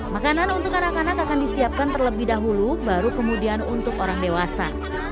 makanan untuk anak anak akan disiapkan terlebih dahulu baru kemudian untuk orang dewasa